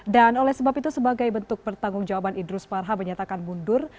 dan oleh sebab itu sebagai bentuk pertanggung jawaban idrus marham menyatakan mundur